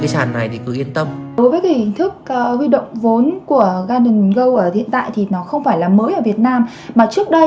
sẽ lên năm trăm linh lần